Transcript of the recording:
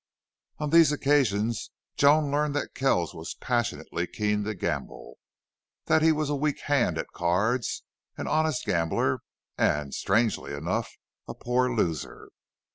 On these occasions Joan learned that Kells was passionately keen to gamble, that he was a weak hand at cards, an honest gambler, and, strangely enough, a poor loser.